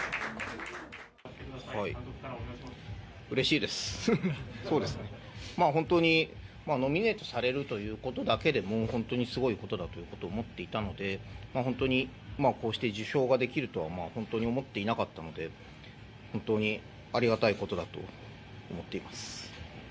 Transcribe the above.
うれしいです、本当にノミネートされるということだけでも本当にすごいことだと思っていたので、本当にこうして受賞ができるとは本当に思っていなかったので本当にありがたいことだと思っています。